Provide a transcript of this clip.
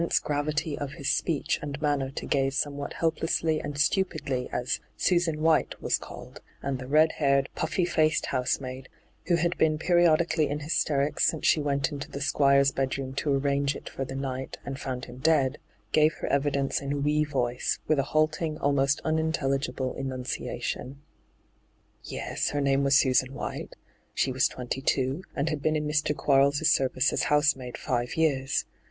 ^hyGoo>^lc ENTRAPPED 6i gravity of his speech and manner to gaze somewhat helplessly and stupidly as 'Susan White ' was called, and the red haired, puffy faced hoasemaid, who had been periodically in hysterics since she went into the Squire's bedroom to arrange it for the night and found him dead, gave her evidence in a wee voice, with a halting, almost unintelligible enunciation. Yes, her name was Susan White. She was twenty two, and had been in Mr. Quarles' service as housemaid five years.